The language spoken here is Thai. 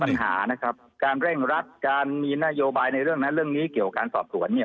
ปัญหานะครับการเร่งรัดการมีนโยบายในเรื่องนั้นเรื่องนี้เกี่ยวกับการสอบสวนเนี่ย